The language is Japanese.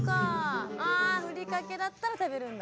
あふりかけだったら食べるんだ。